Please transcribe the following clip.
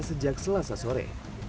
sejak selasa sore